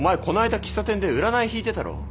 この間喫茶店で占い引いてたろ。